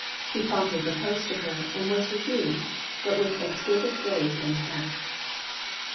He promptly proposed to her, and was refused, but with exquisite grace and tact.